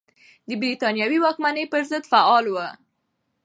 د بریتانوي واکمنۍ پر ضد فعال و.